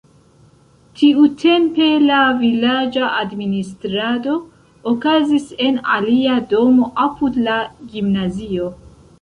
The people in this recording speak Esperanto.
Tiutempe la vilaĝa administrado okazis en alia domo apud la gimnazio.